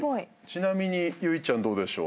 ちなみに有以ちゃんどうでしょう？